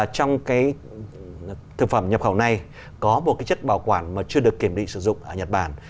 trong thực phẩm nhập khẩu này có một chất bảo quản mà chưa được kiểm định sử dụng ở nhật bản